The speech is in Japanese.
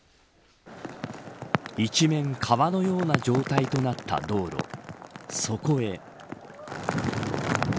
一面、川のような状態となった道路そこへ。